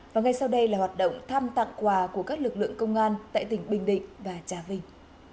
và ngay sau đây là hoạt động thăm tặng quà của các lực lượng công an tại tỉnh bình định và trà vinh